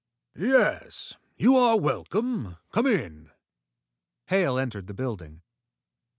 "Yes. You are welcome. Come in." Hale entered the building.